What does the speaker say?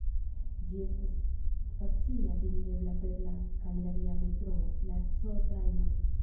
Ĝi estas facile atingebla per la kalgaria metroo, la C-Trajno.